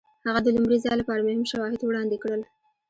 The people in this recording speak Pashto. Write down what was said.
هغه د لومړي ځل لپاره مهم شواهد وړاندې کړل.